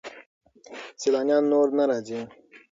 سیلانیان نور نه راځي.